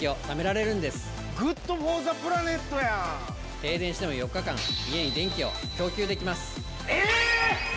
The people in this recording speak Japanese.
停電しても４日間家に電気を供給できます！